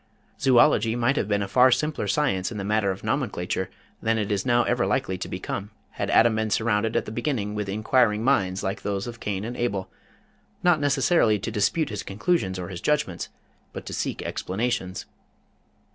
Zoölogy might have been a far simpler science in the matter of nomenclature than it is now ever likely to become, had Adam been surrounded at the beginning with inquiring minds like those of Cain and Abel, not necessarily to dispute his conclusions or his judgments, but to seek explanations.